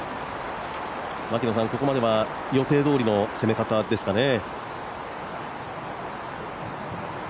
ここまでは予定どおりの攻め方ですかね？